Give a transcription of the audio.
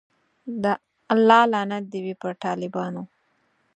د الله لعنت دی وی په ټالبانو